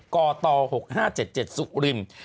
๖๕๗๗กต๖๕๗๗สุริม